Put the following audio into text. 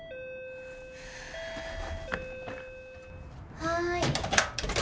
・はい。